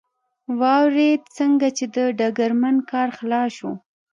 واورېد، څنګه چې د ډګرمن کار خلاص شو.